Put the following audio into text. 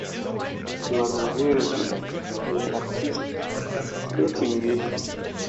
It was revealed that they practiced throttling.